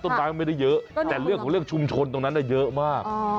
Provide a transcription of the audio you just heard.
ต้นไม้มันไม่ได้เยอะแต่เรื่องของเรื่องชุมชนตรงนั้นเยอะมาก